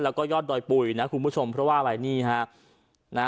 แล้วก็ยอดดอยปุ๋ยนะคุณผู้ชมเพราะว่าอะไรนี่ฮะ